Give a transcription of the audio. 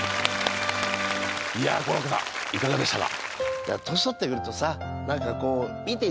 いやコロッケさんいかがでしたか？